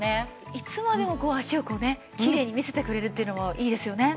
いつまでも脚をこうねきれいに見せてくれるっていうのもいいですよね。